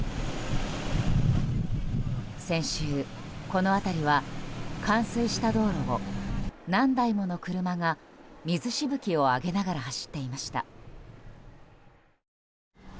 先週、この辺りは冠水した道路を何台もの車が水しぶきを上げながら走っていました。